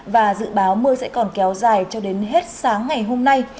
và dự báo mưa sẽ còn kéo dài cho đến hết sáng ngày hôm nay